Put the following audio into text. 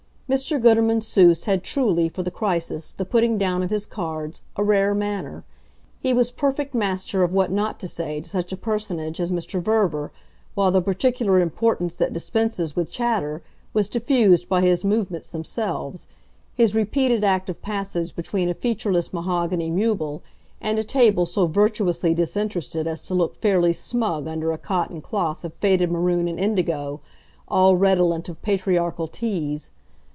Mr. Gutermann Seuss had truly, for the crisis, the putting down of his cards, a rare manner; he was perfect master of what not to say to such a personage as Mr. Verver while the particular importance that dispenses with chatter was diffused by his movements themselves, his repeated act of passage between a featureless mahogany meuble and a table so virtuously disinterested as to look fairly smug under a cotton cloth of faded maroon and indigo, all redolent of patriarchal teas.